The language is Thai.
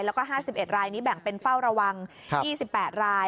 แล้วก็๕๑รายนี้แบ่งเป็นเฝ้าระวัง๒๘ราย